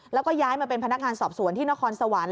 แล้วก็ย้ายมาเป็นพนักงานสอบสวนที่นครสวรรค์